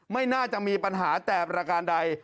ไม่น่าจะมีปัญหาแต่ประการใด